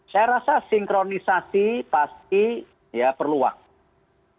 saya rasa sinkronisasi pasti ya perlu waktu